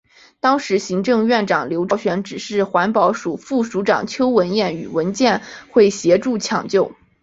当时行政院长刘兆玄指示环保署副署长邱文彦与文建会协助抢救。